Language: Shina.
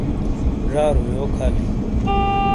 ڙارو۔ یوک حال ہی؟